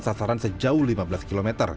sasaran sejauh lima belas km